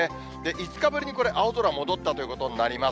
５日ぶりにこれ、青空が戻ったということになります。